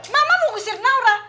mama mau ngusir naura